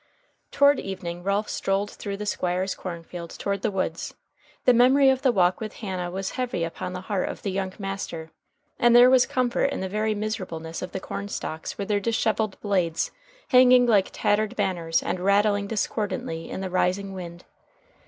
Toward evening Ralph strolled through the Squire's cornfield toward the woods. The memory of the walk with Hannah was heavy upon the heart of the young master, and there was comfort in the very miserableness of the cornstalks with their disheveled blades hanging like tattered banners and rattling discordantly in the rising wind.